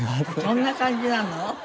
そんな感じなの？